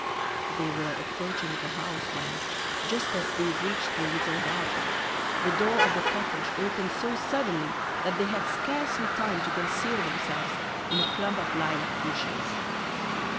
They were approaching the house when, just as they reached the little garden, the door of the cottage opened so suddenly that they had scarcely time to conceal themselves in a clump of lilac bushes.